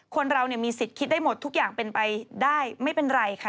คนเรามีสิทธิ์คิดได้หมดทุกอย่างเป็นไปได้ไม่เป็นไรค่ะ